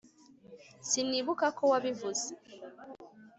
sinibuka ko wabivuze